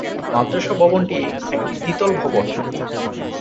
মাদ্রাসা ভবনটি একটি দ্বিতল ভবন।